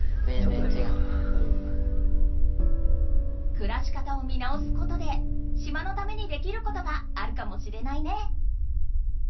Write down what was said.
くらし方を見直すことで島のためにできることがあるかもしれないね。